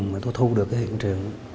mà tôi thu được cái hiện trường